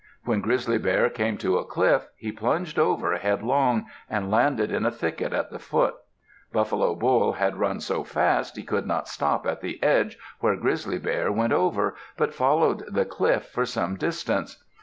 When Grizzly Bear came to a cliff, he plunged over headlong, and landed in a thicket at the foot. Buffalo Bull had run so fast he could not stop at the edge where Grizzly Bear went over, but followed the cliff for some distance.